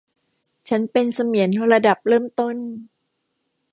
ฉันเป็นเสมียนระดับเริ่มต้น